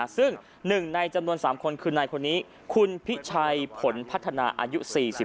ซึ่ง๑ในจำนวน๓คนคือนายคนนี้คุณพิชัยผลพัฒนาอายุ๔๒